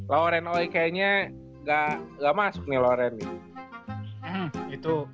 lauren owe kayaknya gak masuk nih lauren nih